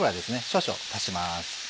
少々足します。